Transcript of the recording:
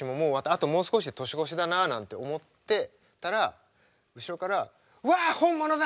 あともう少しで年越しだな」なんて思ってたら後ろから「うわ！本物だ！」